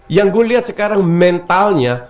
yang gue lihat sekarang mentalnya